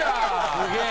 すげえ！